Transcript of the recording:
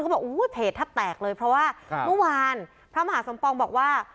บอกอุ้ยเพจแทบแตกเลยเพราะว่าเมื่อวานพระมหาสมปองบอกว่า